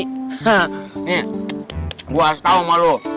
nih gue harus tau sama lu